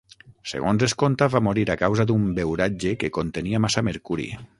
Segons es conta va morir a causa d'un beuratge que contenia massa mercuri.